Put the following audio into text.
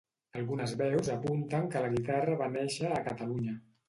Algunes veus apunten que la guitarra va néixer a Catalunya.